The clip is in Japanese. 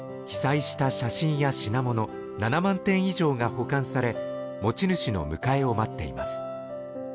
被災した写真や品物７万点以上が保管され、持ち主の迎えを待っています。